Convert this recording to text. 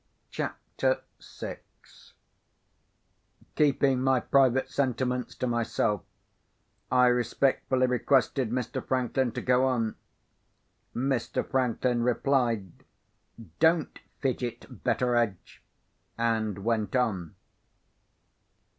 CHAPTER VI Keeping my private sentiments to myself, I respectfully requested Mr. Franklin to go on. Mr. Franklin replied, "Don't fidget, Betteredge," and went on.